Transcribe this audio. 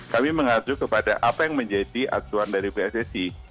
kami menghargai kepada apa yang menjadi aturan dari pssi